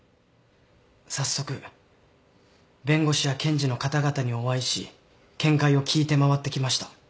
早速弁護士や検事の方々にお会いし見解を聞いて回ってきました。